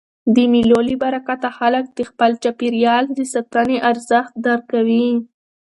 د مېلو له برکته خلک د خپل چاپېریال د ساتني ارزښت درکوي.